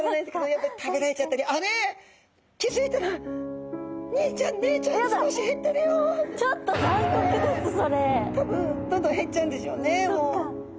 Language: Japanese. やっぱり食べられちゃったり多分どんどん減っちゃうんでしょうね。